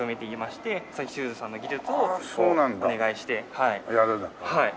はい。